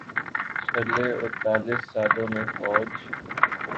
چھلے اڑتالیس سالوں میں فوج